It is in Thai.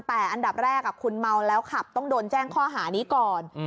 แต่อันดับแรกคุณเมาแล้วขับต้องโดนแจ้งข้อหานี้ก่อน